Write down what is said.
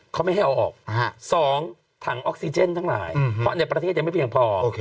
เขาไม่ให้เอาออก๒ถังออกซิเจนทั้งหลายเพราะในประเทศยังไม่เพียงพอ